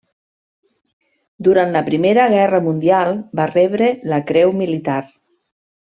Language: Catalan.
Durant la Primera Guerra Mundial va rebre la Creu Militar.